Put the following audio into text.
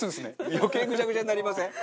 余計ぐちゃぐちゃになりません？